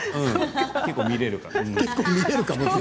結構、見られるかも。